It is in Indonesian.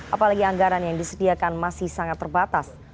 apalagi anggaran yang disediakan masih sangat terbatas